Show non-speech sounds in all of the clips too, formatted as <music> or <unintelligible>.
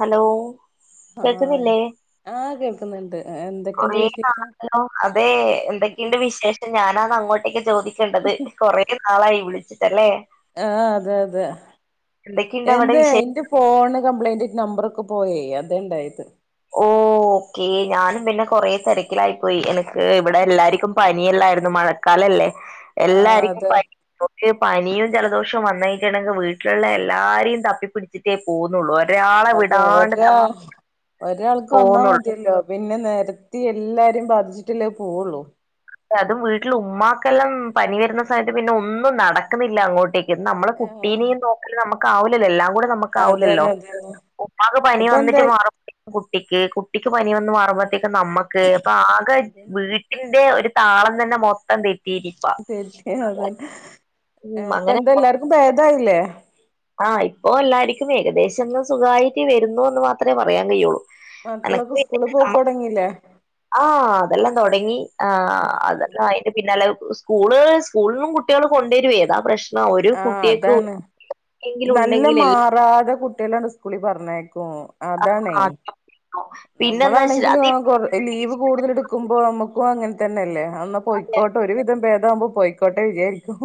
Hello ആഹ് കേക്ക്ന്നില്ലേ ആഹ് കേൾക്കുന്നുണ്ട് എന്തൊക്കെയുണ്ട് കൊറേ വിശേഷം <unintelligible> അതേ എന്തൊക്കെണ്ട് വിശേഷം <unintelligible> ഞാനാതങ്ങോട്ടേക്ക് ചോദിക്കേണ്ടത് കൊറേ നാളായി വിളിച്ചിട്ടല്ലേ ആഹ് അതെ അതെ എന്തൊക്കെണ്ട് അവിടെ എന്താ വിശേ എന്റെ ഫോണ് കംപ്ലൈന്റ് നമ്പറൊക്കെ പോയെ അതാണ്ടായത് ഓ ഓക്കേ ഞാനും പിന്നെ കൊറേ തെരക്കിലായിപ്പോയി എനക്ക് ഇവിടെ എല്ലാര്ക്കും പനിയെല്ലാരുന്നു മഴ മഴകാലല്ലേ ആഹ് എല്ലാര്ക്കും അതെ പനി <unintelligible> പനിയും ജലദോഷവും വന്നയിട്ടുണ്ടെങ്കി വീട്ടില്ള്ളെല്ലാരെയും തപ്പിപ്പിടിച്ചു ച്ചിട്ടെ പോവുന്നുള്ളൂ ഒരാളെ അതെ വിടാണ്ട് ഒരാ ഒരാൾക്ക് വന്നാ പോകുന്നുള്ളൂ മതിയല്ലോ പിന്നെ നെരത്തി എല്ലാരേം ബാധിച്ചിട്ടല്ലേ പോവുള്ളൂ അതും വീട്ടിൽ ഉമ്മാക്കെല്ലാം പനി വെരുന്ന സമയത്ത് പിന്നൊന്നും നടക്കുന്നില്ല അങ്ങോട്ടേക്ക് നമ്മളെ ആഹ് കുട്ടീനീം നോക്കല് നമുക്കാവൂല്ലല്ലോ എല്ലാം കൂടെ നമ്മ ക്കാവൂലല്ലോ അതന്നെ അതന്നെ ഉപ്പാക്ക് പനി ഇപ്പൊ എന്താ വന്നിട്ട് മാറും കുട്ടിക്ക് കുട്ടിക്ക് പനി വന്ന് മാറുമ്പഴത്തേക്കും നമ്മക്ക് അപ്പാകെ വീട്ടിന്റെ ഒരു താളം തന്നെ മൊത്തം തെ തെറ്റിഹ ഹതന്നെ ഉം അങ്ങനെ ഇപ്പെന്താ മൊ- എല്ലാര്ക്കും ഭേദായില്ലേ ആ ഇപ്പോ എല്ലാരിക്കും ഏകദേശംന്ന് സുഖായിട്ട് വരുന്നുന്ന് മാത്രെ പറയാൻ കയുള്ളൂ മക്കളൊക്കെ സ്കൂളി പോക് തൊടങ്ങില്ലേ ആ അതെല്ലാം തൊടങ്ങി ആ ആഹ് അതെല്ലായി പിന്നെല്ല സ്കൂള് സ്കൂൾലും കുട്ട്യള് കൊണ്ടരുവേ അതാ പ്രശ്നം ഒരു കുട്ട്യക്ക് എങ്കിലുണ്ടെങ്കിലെല്ലാം പ്രാത കുട്ടികളെണ്ട് സ്കൂളി പറഞ്ഞേക്കും അതാണേ പിന്നെന്താ വെച്ച നമ്മളാണെങ്കിലും അത് ആ കൊറ ലീവ് കൂടുതലെടുക്കുമ്പോ അമ്മക്കും അങ്ങൻതന്നല്ലേ അന്നാ പോയിക്കോട്ടെ ഒരു വിധം ഭേദാമ്പോ പോയിക്ക കോട്ടേ വിചാരിക്കും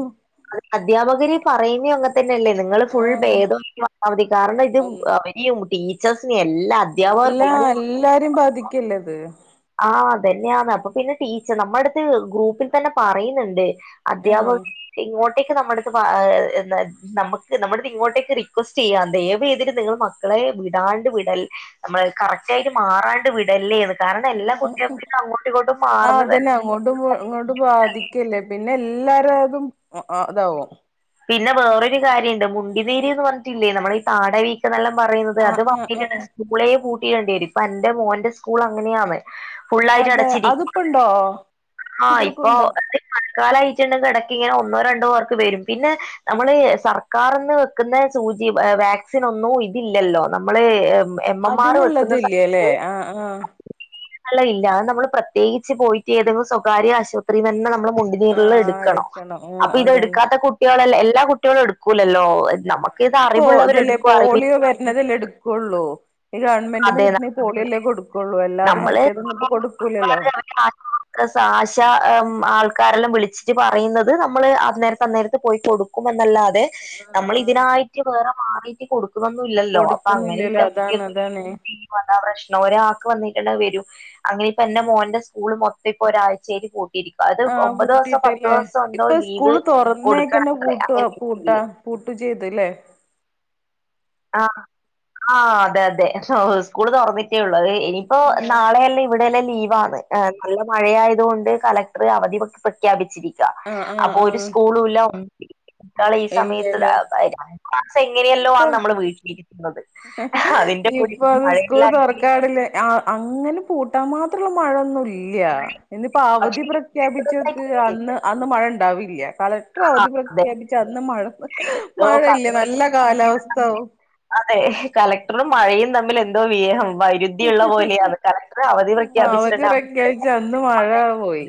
അ അധ്യാപകര് പറയുന്നേ അങ്ങതന്നെയല്ലേ നിങ്ങള് ഫുൾ ആഹ് ഭേദയിറ്റ് വന്നാ മതി കാരണം ഇത് വെ യും ടീച്ചേഴസ്നെല്ലാ എല്ലാ എല്ലാരും ബാധിക്കില്ലേത് ആ അതന്നെയാന്ന് അപ്പൊ പിന്നെ ടീച്ച നമ്മടുത്ത് ഗ്രൂപ്പിൽ തന്നെ പറയ്ന്ന്ണ്ട് അധ്യാപക ആഹ് ഇങ്ങോട്ടേക്ക് നമ്മടെട്ത് പ നമക്ക് നമ്മട്ത്ത്ങ്ങോട്ടേക്ക് റിക്വസ്റ്റ് ചെയ്യാ ദയവേത്ട്ട് നിങ്ങള് മക്കളെ വിടാണ്ട് വിടൽ നമ്മള് കറക്റ്റായിട്ട് മാറാണ്ട് വിടല്ലേന്ന് കാരണം എല്ലാ കുട്ടികൾക്കും ഇതങ്ങോട്ടിങ്ങോട്ടും മാറുന്നതല്ല ങ്ങോട്ടും ങ്ങോട്ടും ബാധിക്കല്ലേ പിന്നെല്ലാരേതും ഇതാവും പിന്നെ വേറൊരു കാര്യണ്ട് മുണ്ടിനീര്ന്ന് പറഞ്ഞിട്ടില്ലേ നമ്മടയീ താട നല്ല പറയുന്നത് ആഹ് അത് ആഹ് ആഹ് <unintelligible> കൂളെ പൂട്ടിയിടണ്ടി വരും ഇപ്പന്റെ മോന്റെ സ്കൂളങ്ങനെയാന്ന് ഫുള്ളായിട്ട് അതെ അടച്ചിരി അതിപ്പുണ്ടോ ആ ഇപ്പോ കുട്ടികൾക്കുണ്ടോ മഴക്കാലായിട്ടുണ്ടെങ്കി എടക്ക്ങ്ങനെ ഒന്നോ രണ്ടോ വർക്ക് വെരും പിന്നെ നമ്മള് സർക്കാർന്ന് വെക്കുന്ന സൂചി വാക്സിൻ ഒന്നും ഇല്ലല്ലോ നമ്മളെ അതിനുള്ളത ഇല്ലല്ലേ ആ ആ ല്ല ഇല്ല അ നമ്മൾ പ്രത്യേകിച്ച് പോയിട്ട് ഏതെും സ്വകാര്യ ആശുപത്രി തന്നെ നമ്മള് ആഹ് ഫുള്ളെടുക്കണം എടുക്കണം ഉം അപ്പൊ അതന്നെ ഇതെടുക്കാത്ത കുട്ടികളെല്ല എല്ലാ കുട്ടികളും എടുക്കൂലല്ലോ നമുക്ക് ഇത് അറിവുള്ളവരെ എടുക്കും അറിവി ഇതല്ല എടുക്കുള്ളൂ ഈ ഗവൺമെന്റിന്ന് അതെ കിട്ടുന്ന പോളിയല്ലേ കൊടുക്കുള്ളൂ അല്ലാതും നമ്മള് മറ്റേതൊന്നും ഇപ്പോ കൊടുക്കൂല്ലല്ലോ സാശ ആൾക്കാരെല്ലാം വിളിച്ചിട്ട് പറയുന്നത് നമ്മള് അന്നേരത്തെ അന്നേരത്തെ പോയി കൊടു എന്നല്ലാതെ നമ്മൾ ഇതിനായിട്ട് വേറെ മാറി കൊടുക്കുന്നൊന്നുമ ഇല്ലോ അപ്പൊ അങ്ങനെ കൊടുക്കുന്നില്ലല്ലോ ഇല്ല കു അതാണ് അതാണ് അതാ പ്രശ്നം ഒരാൾക്ക് വന്നട്ടേണ്ട വരും അങ്ങനെ ഇപ്പ എന്റെ മോൻന്റെ സ്കൂള് മൊത്തം ഇപ്പോ ഒരാഴ്ചേരി പോട്ട കി അത് ആഹ് ഒമ്പത് ദിവസോ പത്ത് പൂട്ടിയിട്ടല്ലേ ദിവസം എണ്ടോ ഇപ്പൊ ലീവ് സ്കൂള് കൊടുക്കണംത്രേ അങ്ങനെ പൂട്ട് ചെയ്തു അല്ലേ ആ ആ അതെ അതെ സ്കൂൾ തുറന്നിട്ടേ ഉള്ളൂ ഇനിയിപ്പോ ആഹ് നാളെയല്ലേ ഇവിടെല്ല ലീവാണ് നല്ല മഴയതുക കൊണ്ട് കലക്ടർ അവധി വക്കി പ്രഖ്യാപിച്ചിരിക്ക ആഹ് ആഹ് അപ്പൊ ഒരു ആഹ് സ്കൂളല്ല ഒന്നാള ഈ സമയത്ത് ഇല്ലല്ലേ ക്സ എങ്ങനെയല്ലോ ഇപ്പൊ നമ്മള് വീട്ടിലിരിക്കുന്നത് അതിന്റെ കൂടെ ഇപ്പൊ അത് സ്കൂൾ മഴയെല്ലായിട്ട് തുറക്കാടില്ലേ ആ അങ്ങനെ പൂട്ടാൻ മാത്രമുള്ള മഴയൊന്നുംല്ല ഇനിപ്പോ അവധി പക്ഷേ പ്ര പ്രഖ്യാപിച്ചക്ക് അന്ന് അന്ന് മഴ ഉണ്ടാവില്ല കളക്ടർ അവധി ആഹ് അതെ പ്രഖ്യാപിച്ചന്ന് മഴ എന്തോ മഴയില്ല നല്ല കളക്ടറും കാലാവസ്ഥാവും അതെ കളക്ടറും മഴയും തമ്മിൽ എന്തോ വ്യഹം വൈ ദ്യുള്ള പോലെയാണ് കലക്ടർ അവധി അവധി പ്രഖ്യാപിച്ചിട്ടു പ്രഖ്യാപിച്ച അന്ന് മഴ പോയി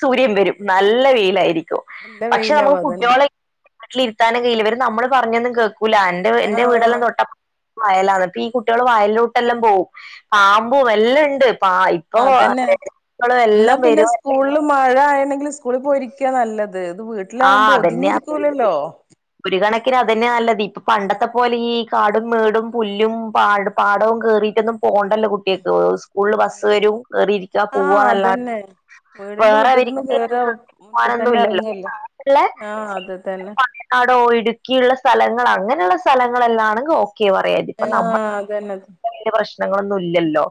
സൂര്യൻ വെരും നല്ല വെയിലായിരിക്കും നല്ല പക്ഷെ വെയിലാവും നമുക്ക് അതന്നെ കുട്ട്യോളെ വീട്ടിലിരുത്താനും കഴിയില്ല ഇവര് നമ്മള് പറഞ്ഞൊന്നും കേക്കൂല അന്റെ എന്റെ ആഹ് വീടെല്ലാം തൊട്ടപ്പ വയലാന്ന് അപ്പീ കുട്ട്യാള് വയൽലോട്ടല്ലാം പോവും പാമ്പും എല്ലണ്ട് പ പ്പ അതന്നെ <unintelligible> എന്നാ എല്ലാം പിന്നെ വെരുവല്ലേ. സ്കൂളിൽ മഴ ആയിണെങ്കില് സ്കൂളിൽ പോയിരിക്കാ നല്ലത് ഇത് ആ വീട്ടിലാവുമ്പോ അതന്നെയാ ഒതുങ്ങിയിരിക്കൂലല്ലോ ഒരു കണക്കിന് അതന്ന്യ നല്ലത് ഇപ്പ പണ്ടത്തെ പോലെ ഈ കാടും മേടും പുല്ലും പാടും പാടോം കേറിറ്റൊന്നും പോണ്ടല്ലോ കുട്ട്യാക്ക് സ്കൂളില് ബസ്സ് വെരും ആഹ് അതന്നെ വീടിന്റെ വേറെ മുറ്റത്തുന്ന് കേറ അവർക്ക് പോകാനൊന്നും ഇല്ലല്ലോ ട്ടിത്തന്നെറങ്ങല്ലേ ആഹ് അത് തന്നെ വയനാടോ ഇടുക്കിയുള്ള സ്ഥലങ്ങൾ അങ്ങനെള്ള സ്ഥലങ്ങളെല്ലാണങ്കി ഓക്കേ പറയാ ആഹ് അതന്നെ ഭയങ്കര പ്രശ്നങ്ങളൊന്നും ഇല്ലല്ലോ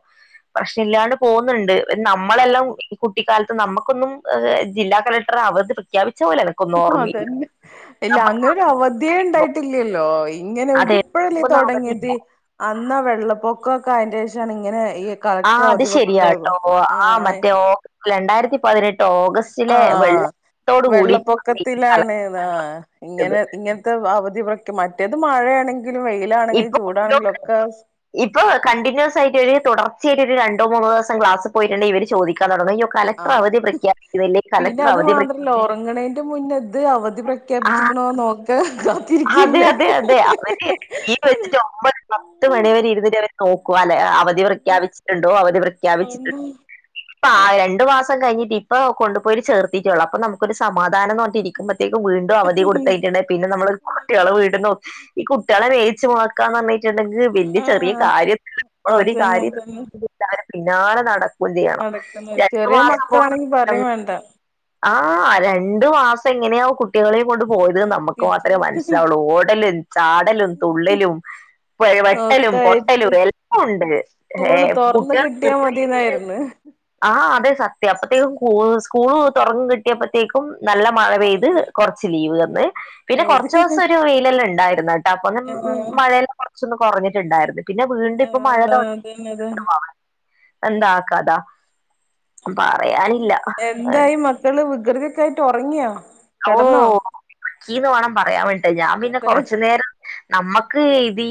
പ്രശ്നല്ലാണ്ട് പോന്ന്ണ്ട് നമ്മളെല്ലാം ഈകുട്ട് ട്ടിക്കാൽത്ത് നമ്മക്കൊന്നുംഏഹ് ജില്ലാ കലക്ടർ അവധി പ്രഖ്യാപിച്ച പോലാണ് അതന്നെ ഇല്ല അങ്ങനവധിയെണ്ടായിട്ടില്ലല്ലോ ഇങ്ങനെ അതെ ഇത്പ്പഴല്ലേ ഒന്നും തൊടങ്ങിയത് അവധിയില്ല അന്ന വെള്ളപ്പൊക്കൊക്കെ അയിന്റെഷാണ് ഇങ്ങനെ ഈ കളക്ടർ ആഹ് അത് അവധി പ്രഖ്യാപി ശെരിയാട്ടോ ആ ആഹ് മറ്റേ ഓ രണ്ടായിരത്തി പതിനെട്ട് ഓഗസ്റ്റ് ചിലെ ആഹ് വെള്ളത്തോട് കൂടി <unintelligible> വെള്ളപ്പൊക്കത്തിലാണ് ആഹ് കലക്ടത് ഇങ്ങനെ ഇങ്ങനത്തെ അവധി പ്രെക് മറ്റേത് മഴയാണെങ്കിലും വെയി യിലാണെങ്കിലും ഇപ്പൊ ചൂടാണെങ്കിലും ഒക്കെ ഇപ്പൊ കണ്ടിന്യൂസായിട്ട് ഒര് തുടർച്ചയായിട്ടൊര് രണ്ടോ മൂന്നോ ദിവസം ക്ലാസി പോയിട്ടുണ്ടെ ഇവര് ചോദി ആഹ് പിന്നെ കലക്ടർ അത് അവധി പ്രഖ്യാ-" മാത്രല്ല ഒറങ്ങണേന്റെ മുന്നത് അവധി പ്ര ക്കേപ്പിച്ചിക്കണോ നോക്ക് ഹതെ അതെ അതെ അവര് <unintelligible> വെച്ചിട്ട് ഒമ്പത് പത്ത് മണിവരെ ഇരുന്നിട്ട് അവര് തോക്കുവാലേ അവധി പ്രഖ്യാപിച്ചിട്ടുണ്ടോ അവധി പ്രഖ്യാപിച്ചിട്ടുണ്ടോ പ്പായെ രണ്ടു മാസം കഴിഞ്ഞിട്ട് ഇപ്പ കൊണ്ടുപോയിറ്റ് ചേർത്തിട്ടെള്ളൂ അപ്പം നമുക്കൊരു സമാധാനന്ന് പറഞ്ഞിട്ട് ഇരിക്കുമ്പത്തേക്ക് വീണ്ട് ണ്ടു അവധി കൊടുത്തേക്കണെ പിന്നെ നമ്മള് വീടന്നോ ഈ കുട്ട്യാളെ മേച്ചു നോക്കാന്നറഞ്ഞിട്ടുണ്ടങ്ക് വെല്ലിയ ചെറിയ ആഹ് കാര്യ ഒരു അതന്നെ കാര്യ അതന്നെ കിട്ടിയ പിന്നാലെ നട ക്കും ചെയ്യണം നടക്കുന്നു രണ്ടു ചെറിയ മാസം പോയി - മക്കളാണെങ്കി പറയും വേണ്ട <unintelligible> ആഹ് രണ്ടു മാസങ്ങനെയാ കുട്ടികളെയും കൊണ്ട് പോയത് നമ്മക്ക് ഒപ്പിച്ച് മാത്രേ മന അവള് ഓടല് ചാടലും തുള്ളെലും വെട്ടലും പൊട്ടലും ഒക്കായിട്ട് എല്ലാവുണ്ട് സ്കൂള് ഏഹ് തൊറന്ന് കുട്ടികളെ കിട്ടിയാ നിർത്തി - മതിന്നായിരുന്നു ആഹ് അതെ സത്യം അപ്പഴ്ത്തേക്കു സ്കൂൾ തൊറന്നത് കിട്ടിയപ്പത്തേക്കും നല്ല മഴ പെയ്ത് അവധി കൊറച്ച് ലീവ് തന്ന് പിന്നെ കൊറ - അവധി കൊറച്ചു ദെവസം ഒരു വെയിലുകള് ഇണ്ടായിരുന്നുട്ടോ അപ്പൊന്ന് ആഹ് ആഹ് മഴയല്ലാം കൊറച്ചൊന്ന് കൊറഞ്ഞിട്ടുണ്ടായിരുന്ന്. പിന്നെ വീണ്ടും ഇപ്പ മഴ തൊട അതന്നെ അതന്നെ <unintelligible> എന്താ കഥ ഒന്നും പിന്നെ പറയാനില്ല. എന്തായി മക്കള് വികൃതിയെക്കെയായിട്ട് ഒറങ്ങിയോ കെടന്നോ ഓഹ് ഒറക്കീന്ന് വേണം പറയാൻ വേണ്ടിട്ട് ഞാൻ പിന്നെ അതെ കൊറച്ചു നേരം നമ്മക്ക് ഇതീ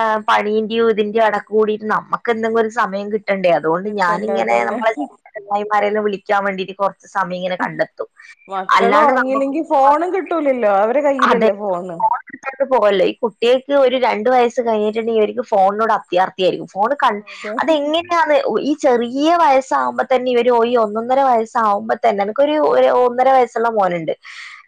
ഏഹ് പണീന്റെയോ ഇതിന്റെ എടക്കൂടിട്ട് നമ്മക്ക് എന്തെങ്കിലും ഒരു സമയം കിട്ട് കിട്ടണ്ടേ അതുകൊണ്ട് കിട്ടണ്ട ഞാനിങ്ങനെ അതന്നെ നമ്മളെ ചങ്ങാതിമാരേയെല്ലാം വിളിക്കാൻ വേണ്ടീട്ട് കൊറച്ച് സമയമിങ്ങനെ കണ്ടെത്തും അല്ലാണ്ട് നമ - ഇല്ലെങ്കി ഫോണും കിട്ടൂലല്ലോ അവര്ടെ കയ്യിലല്ലേ ഫോണ്. ട്ടിട്ട് പോവല്ലെ ഈ കുട്ടിയക്ക് ഒരു രണ്ട് വയസ് കഴിഞ്ഞിട്ടുണ്ടങ്കി ഇവരിക്ക് ഫോണിനോട് അത്യാർ ത്തിയാരിക്കും ഫോണ് കൺ അതെ അത് എങ്ങനെ - ട്ടാണ് ഈ ചെറിയ വയസാവുമ്പോ തന്നെ ഇവര് ഈ ഒന്നൊന്നര വയസാവുംമ്പോത്തന്നെ ഇവക്കൊരു ഒന്നര വയസ് സ്വന്തം മോന് ഇണ്ട്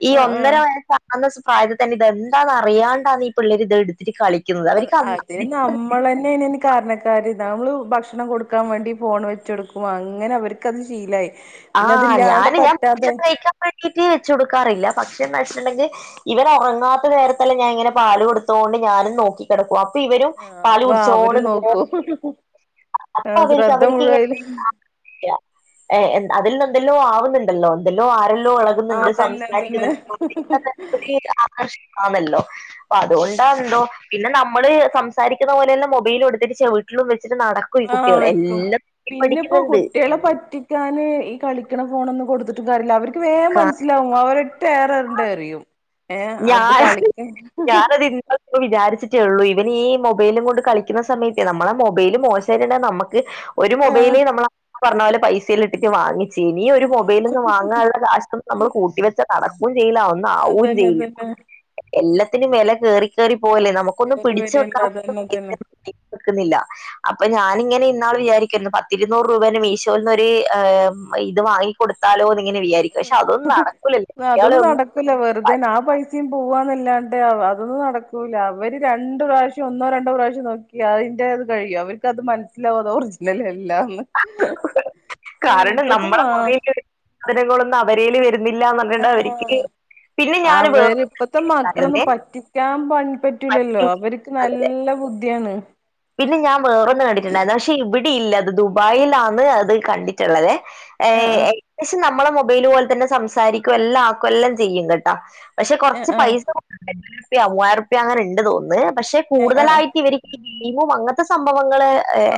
ഈ ആഹ് ഒന്നര ആഹ് വയസ്സാവുന്ന പ്രായത്തി തന്നെ ഇതെന്താന്നറിയാണ്ടാന്ന് ഈ പിള്ളേര് ഇത്‌ എടുത്തിട്ട് കളി ക്കുന്നത് അവര് ക <unintelligible> നമ്മളന്നെയാണ് അയിന് കാരണക്കാര് നമ്മള് ഭക്ഷണം കൊടുക്കാൻ വേണ്ടി ഫോണ് വെച്ചൊടുക്കും അങ്ങനെ അവര് - ക്കത് ശീലായി പിന്നെ ആഹ് അതില്ലാണ്ട് ഞാന് ഞാൻ ഭക്ഷണം പറ്റാതായി കഴിക്കാൻ വേണ്ടിട്ട് വെച്ച് കൊടുക്കാറില്ല ഭക്ഷണം കഴിച്ചിട്ടുണ്ടെങ്കി- ഇവര് ഒറങ്ങാത്ത നേരത്തെല്ലാം ഞാൻ ഇങ്ങനെ പാല് കൊടുത്തോണ്ട് ഞാനും നോക്കി കെടക്കും അപ്പൊ ഇവരും ആഹ് പാല് അപ്പൊ കുടിച്ചോണ്ട് ഇങ്ങനെ - ആ ശ്രദ്ധ മുഴുവൻ അതില് ഇല്ല അതിൽ എന്തെല്ലോ ആവുന്നുണ്ടല്ലോ എന്തെല്ലോ ആരെല്ല- എന്തോ ആഹ് എളകുന്നുണ്ട് അതന്നെ സംസാരിക്കുന്നുണ്ട് <unintelligible> അതന്നെ കഷിക്കാ <unintelligible> മല്ലോ അപ്പൊ അതുകൊണ്ടാ എന്തോ പിന്നെ നമ്മള് സംസാരിക്കുന്ന പോലെല്ലാം മൊബൈല് എടുത്തിട്ട് ചെവിട്ടിലും വെച്ചിട്ട് നടക്- ആഹ് വെക്കും പിന്നെപ്പോ കുട്ടികളെ പറ്റിക്കാന് ഈ കളിക്കണ ഫോണ് ഒന്ന് കൊടുത്തിട്ട- തരില്ല അവർക്ക് വേഗം മനസ്സിലാവും അവരൊറ്റ ഏറു അങ്ങോട്ട് എറിയും ഏയെ അത് ഞാൻ കളിക്കും ഞാനത് ഇന്നാളിപ്പോ വിചാരിച്ചിട്ടേ ഉള്ളൂ ഇവൻ ഈ മൊബൈലും കൊണ്ട് കളിക്കുന്ന സമയത്തേ നമ്മളെ മൊബൈല മോശമായിട്ടണ്ടെ നമുക്ക്- ക് ഒരു ആഹ് മൊബൈല് നമ്മള് പറഞ്ഞ പോലെ പൈസെല് ഇട്ടിട്ട് വാങ്ങിച്ചീനി ഒരു മൊബൈൽ ഇന്ന് വാങ്ങാനുള്ള- ഇപ്രാശം നമ്മള് കൂട്ടി വെച്ച നടക്കുകയും ചെയ്യില്ല ഒന്നു ആവുവേം അതന്നെ ചെയ്യില്ല അതന്നെ എല്ലാത്തിനും വെല കേറി കേറി പോവല്ലേ നമുക്കൊന്ന് കേറി പിടിച്ച് വരല്ല വെക്കാൻ- അതന്നെ അതന്നെ ഇപ്പക്കുന്നില്ല <unintelligible> അപ്പൊ ഞാനിങ്ങനെ ഇന്നാള് വിചാരിക്കായിരുന്നു പത്തിരുനൂറ് രൂപേന്റെ മീഷോയിന്നോരു ഇത് വാങ്ങി- കൊടുത്താലോന്ന് ഇങ്ങനെ വിചാരിക്കും പക്ഷെ അതൊന്നു നടക്കുലല്ലോ ഇയാളെ ഒന്നും- അത് തന്നെ ആ പൈസയും പോവന്നല്ലാണ്ട് അതൊന്നും നടക്കൂല്ല അവര് രണ്ട് പ്രാവശ്യം ഒന്നോ രണ്ടോ പ്രാവശ്യം നോക്കി- അതിന്റെ അത് കഴിയും അവർക്കത് മനസ്സിലാവും അത് ഒറിജിനൽ അല്ലാന്ന് കാരണം ഇപ്പത്തെ നമ്മുടെ മാ മൊബൈൽ എടുക്കണ കാര്യങ്ങളൊന്നും അവ- പെരേല് വരുന്നില്ലാന്ന് പറഞ്ഞിട്ട് ആഹ് അവർക്ക്- പിന്നെ ഞാൻ അവര് ഇപ്പഴത്തെ മക്കളൊന്നും വേറൊന്നായിരുന്നേ പറ്റിക്കാൻ പറ്റൂലല്ലോ മറ്റു അവര്- അതെ. നല്ല ബുദ്ധിയാണ് പിന്നെ ഞാൻ വേറൊന്ന്‌ കണ്ടിട്ടുണ്ടായിരുന്നു പക്ഷെ ഇവിടെയില്ല അത് ദുബായിൽ ആണ് അത് കണ്ടിട്ടുള്ളതെ ആഹ് ആഹ് അത്യാശം നമ്മളെ മൊബൈൽ പോലെ തന്നെ സംസാരിക്കും എല്ലാം ആക്കും എല്ലാം ചെയ്യും കേട്ടാ പക്ഷെ ആഹ് കുറച്ച് ആഹ് പൈസ ആഹ് പ്യ മൂവ്വായിരം റുപ്യ അങ്ങനെ ഉണ്ട് തോന്നന്ന് പക്ഷെ ആഹ് ആഹ് കൂടുതലായിട്ട് ഇവര് ഇങ്ങും അങ്ങനത്തെ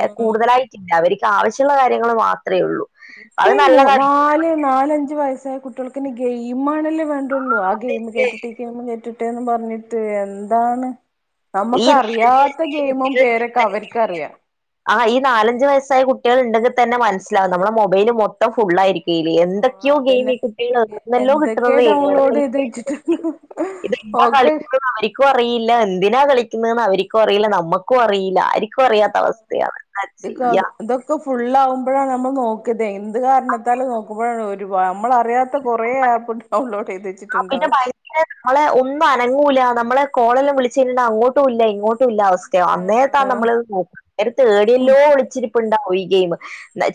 ആഹ് അവർക്ക് ആവശ്യമുള്ള കാര്യങ്ങൾ മാത്രേ ഉള്ളൂ ഇപ്പൊ അത് ഈ മൂ നല്ലതാണ് നാല് നാലഞ്ച് വയസ്സായ കുട്ടികൾക്കിന് ഗെയിമാണല്ലേ വേൺ ട്ടുള്ളൂ ആഹ് ഗെയിം കേറ്റിട്ട് ഈ ഗെയിം കേറ്റട്ടേന്ന് പറഞ്ഞിട്ട് എന്താണ് ഈ നാലഞ്ച് നമുക്കറിയാത്ത വയസ്സിലെ ഗെയിമും കുട്ടികൾ പേരൊക്കെ അവർക്കറിയാം ആഹ് ഈ നാലഞ്ച് വയസ്സായ കുട്ടികൾ ഉണ്ടെങ്കിൽ തന്നെ മനസ്സിലാവും നമ്മള മൊബൈല് മൊത്തം ഫുൾ ആയിരിക് ഈലി ആഹ് എന്തൊക്കെയോ അതന്നെ ഗെയിമി കുട്ടികൾ ആകുന്നല്ലോ എന്തൊക്കെ കിട്ടുന്നത് ഡൗൺലോഡ് ചെയ്ത് വെച്ചിട്ട് <unintelligible> ഇത് ഇപ്പ ഒക്കെ കളിക്കും അവര് ക്ക് അറിയില്ല എന്തിനാ കളിക്കുന്നെന്ന് അവര്ക്കും അറിയില്ല നമ്മുക്കും അറിയില്ല ആരിക്ക് ക്കും അറിയാത്ത അവസ്ഥയാണ് ന്താ ചെയ്യാ ഇത് ഫുള്ളാവുമ്പഴാണ് നമ്മൾ നോക്ക ഇതേ എന്ത് കാരണത്താലും നോ വ ഒരു പാ നമ്മള അറിയാത്ത കുറെ ആപ്പ് ഡൗൺലോഡ് ചെയ്ത് വെച്ചി അഹ് പിന്നെ <unintelligible> നമ്മള ഒന്നും അനങ്ങൂല്ല നമ്മള് കോളെല്ലാം വിളിച്ചു <unintelligible> അങ്ങോട്ടു ഇല്ല ഇങ്ങോട് ടുല്ല അവസ്ഥയാ അന്നേത്താ ആഹ് നമ്മള് നോക തേടിയല്ലോ ഒളിച്ചിരിപ്പ് ഉണ്ടാവു ഈ ഗയിം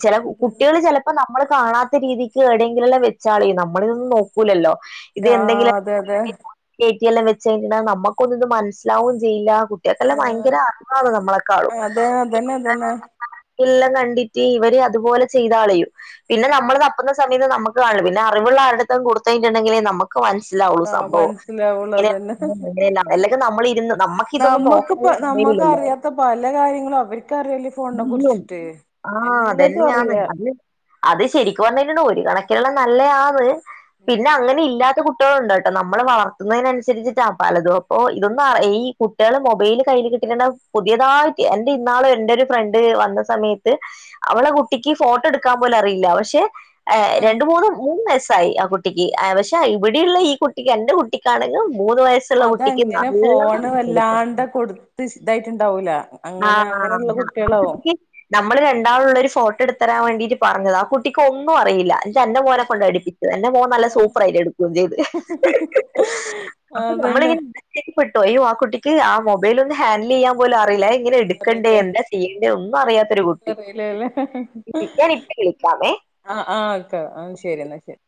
ചില അതന്നെ കുട്ടികൾ ചില അപ്പൊ നമ്മള് കാണാത്ത രീതിക്ക് ഏടെയങ്കിലുംല്ലാം വെച്ചാളി നമ്മളിതൊന്നും നോക്കൂലല്ലോ ഇത് എന്തെങ്കിലു ആഹ് <inaudible> അതെ അതെ എല്ലാം വെച്ച എന്താ നമുക്കൊന്നും ഇത് മനസ്സിലാവും ചെയ്യില്ല കു കുട്ടക്കല്ല ആഹ് ഭയങ്കര അറിവാണ് നമ്മളെകാളും അതെ അതന്നെ അതന്നെ <inaudible> എല്ലാം കണ്ടിട്ട് ഇവര് അതുപോലെ ചെയ്താളയും പിന്നെ നമ്മൾ ഉം തപ്പുന്ന സമയത്ത് നമുക്ക് പിന്നെ അറിവുള്ള ആരുടത്തും കൊടുത്തയിഞ്ഞിണ്ടെങ്കിൽ നമുക്ക് മനസ്സിലാവുള്ളു ആഹ് സംഭവം മനസ്സിലാവുള്ളു അതന്നെ <inaudible> അല്ലെങ്കി നമ്മളിരുന്ന് നമ്മ നമ്മുക്ക്ഇപ്പ നമ്മുക്ക് അറിയാത്ത പല കാര്യങ്ങളും അവർക്കറിയല്ലേ ഫോണിനെ കുറിച്ചിട്ട് ആഹ് എല്ലതും അതെന്നെയാന്ന് അറിയാ അത് അത് ശെരിക്കു പറഞ്ഞഴിഞ്ഞ ഒരു കണക്ക്ൽള്ള നല്ലതയാത് പിന്നെ അങ്ങനെ ഇല്ലാത്ത കുട്ടിളുണ്ടുട്ടാ നമ്മളെ വളർത്തുന്നയ്നൻസരിച്ചിട്ടാ പലതും പ്പോ ഇതൊന്നും അറി ഈ കുട്ടിയാള് മൊബൈല് കയ്യില് കിട്ടി കയ്നാ പുതിയതായിട്ട് എന്റെ ഇന്നാൾ എന്റെരു ഫ്രണ്ട് വന്ന സമയത്ത് അവളെ കുട്ടിക്ക് ഫോട്ടോട്ക്കാൻ പോലും അറിയില്ല പക്ഷെ ഏ ആഹ് രണ്ട് മൂന്ന് മൂന്നയസ്സായി ആഹ് കുട്ടിക്ക് ആഹ് പശ് താ ഇവട്ള്ള ഈ കുട്ടി എന്റെ കുട്ടിക്കാണങ്കിൽ മൂന്ന് വയസ്സ് അതങ്ങനെ ഫോണ് വല്ലാണ്ട് കൊടുത്ത് ശ് ഇതായിട്ട്ണ്ടാവൂല ആഹാ കി നമ്മള് രണ്ടാളുള്ള ഒരു ഫോട്ടോട്ത്തരാൻ വാണ്ടിട്ട് പറഞ്ഞതാ ആഹ് കുട്ടിക്ക് ഒന്നും അറിയില്ല ഇജ് അന്റെ ആ മോനെ കൊണ്ട് അടിപ്പിച്ചത് എന്റെ മോൻ നല്ല സൂപ്പർ ആയിട്ട് എഴുതും <unintelligible> അപ്പൊ അതന്നെ മ്മളിങ്ങനെ <unintelligible> അയ്യോ ആഹ് കുട്ടിക്ക് ആഹ് മൊബൈലൊന്ന് ഹാൻഡിലെയ്യാൻ പോലും അറില്ല ങ്ങനെ എട്ക്കണ്ടേ അറിയില്ലേ എന്താ ചെയ്യണ്ടേ ഒന്നും അറിയാത്തൊരു ഒന്നും കുട്ടി അറിയില്ലല്ലേ ഞാനിപ്പെ വിളിക്കാമേ ആഹ് ആഹ്ക്കെ ആഹ് ശെരിന്നാ ശെരി